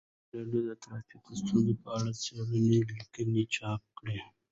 ازادي راډیو د ټرافیکي ستونزې په اړه څېړنیزې لیکنې چاپ کړي.